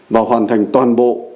và hoàn thành toàn bộ